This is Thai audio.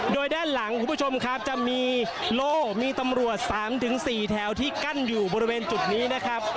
โดยด้านหลังคุณผู้ชมครับจะมีโล่มีตำรวจ๓๔แถวที่กั้นอยู่บริเวณจุดนี้นะครับ